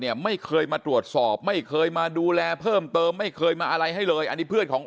ไม่เคยมาตรวจสอบไม่เคยมาดูแลเพิ่มเติมไม่เคยมาอะไรให้เลยอันนี้เพื่อนของ